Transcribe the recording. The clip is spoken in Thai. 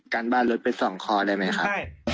การบ้านรถไปสองคอได้ไหมครับ